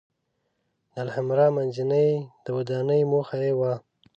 د الحمرأ منځۍ د ودانونې موخه یې وه.